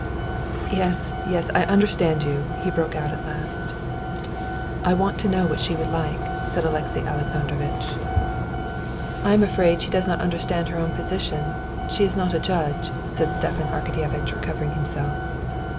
"Yes, yes, I understand you," he brought out at last. "I want to know what she would like," said Alexey Alexandrovitch. "I am afraid she does not understand her own position. She is not a judge," said Stepan Arkadyevitch, recovering himself.